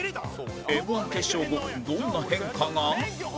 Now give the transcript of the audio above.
Ｍ−１ 決勝後どんな変化が？